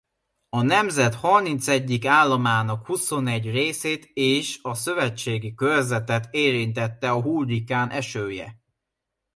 A nemzet harmincegyik államának huszonegy részét és a szövetségi körzetet érintette a hurrikán esője.